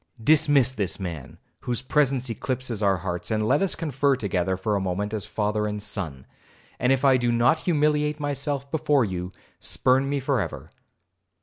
Dismiss this man, whose presence eclipses our hearts, and let us confer together for a moment as father and son, and if I do not humiliate myself before you, spurn me for ever.